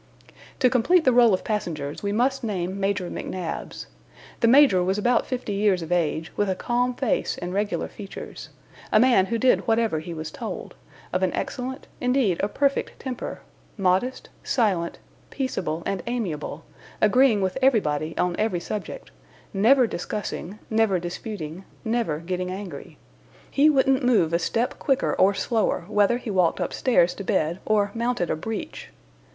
To complete the roll of passengers, we must name Major McNabbs. The Major was about fifty years of age, with a calm face and regular features a man who did whatever he was told, of an excellent, indeed, a perfect temper; modest, silent, peaceable, and amiable, agreeing with everybody on every subject, never discussing, never disputing, never getting angry. He wouldn't move a step quicker, or slower, whether he walked upstairs to bed or mounted a breach.